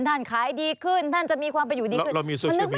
ขายดีขึ้นท่านจะมีความประอยู่ดีขึ้น